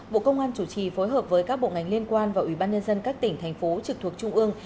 bộ công an chủ trì phối hợp với các bộ ngành liên quan và ubnd các tỉnh thành phố trực thuộc trung ương